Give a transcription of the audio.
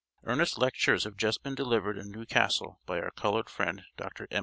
Earnest lectures have just been delivered in Newcastle by our colored friend, Dr. M.